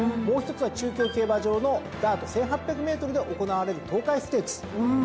もう一つは中京競馬場のダート１，８００ｍで行われる東海ステークス。